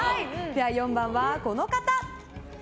４番は、この方。